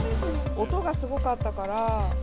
音がすごかったから。